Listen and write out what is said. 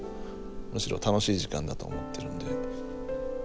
むしろ楽しい時間だと思ってるので。